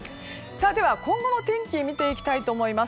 今後の天気を見ていきたいと思います。